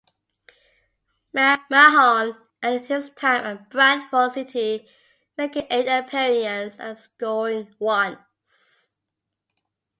McMahon ended his time at Bradford City, making eight appearance and scoring once.